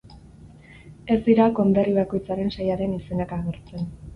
Ez dira konderri bakoitzaren sailaren izenak agertzen.